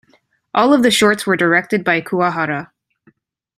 All of the shorts were directed by Kuwahara.